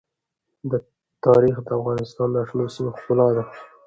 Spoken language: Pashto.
تاریخ د افغانستان د شنو سیمو ښکلا ده.